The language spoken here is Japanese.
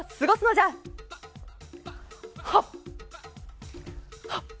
はっ！